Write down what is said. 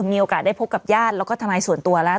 มีโอกาสได้พบกับญาติแล้วก็ทนายส่วนตัวแล้ว